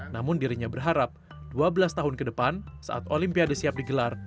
namun dirinya berharap dua belas tahun ke depan saat olimpiade siap digelar